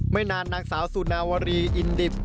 ไม่นานนางสาวสุนาวรีอินดิบ